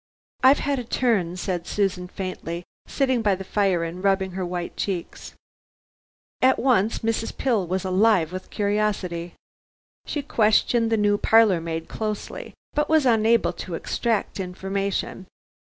"I've had a turn," said Susan faintly, sitting by the fire and rubbing her white cheeks. At once Mrs. Pill was alive with curiosity. She questioned the new parlor maid closely, but was unable to extract information.